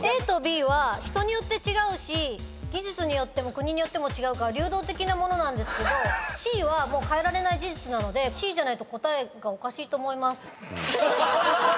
ＡとＢは人によって違うし技術によっても国によっても違うから流動的なものだけどＣは変えられない事実なのでＣじゃないと答えがおかしい。